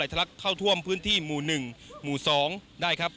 ลายทลักผ้าเท้าท่วมพื้นที่หมู่หนึ่งหมู่สองได้ครับ